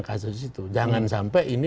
kasus itu jangan sampai ini